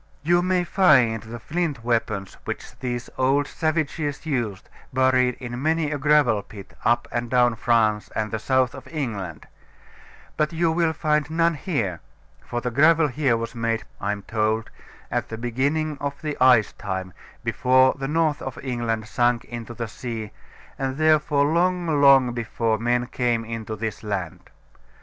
You may find the flint weapons which these old savages used buried in many a gravel pit up and down France and the south of England; but you will find none here, for the gravel here was made (I am told) at the beginning of the ice time, before the north of England sunk into the sea, and therefore long, long before men came into this land.